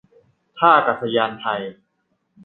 ท่าอากาศยานไทย